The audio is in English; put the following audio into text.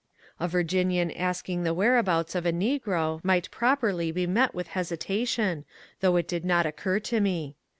A Virginian asking the whereabouts of a negro might properly be met with hesitation, though it did not occur to me.